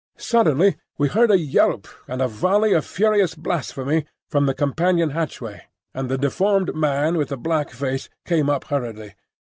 Suddenly we heard a yelp and a volley of furious blasphemy from the companion hatchway, and the deformed man with the black face came up hurriedly.